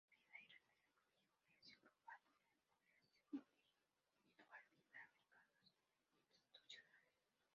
Vida y Retiro incluye jubilación grupal, jubilación individual, Vida y Mercados Institucionales.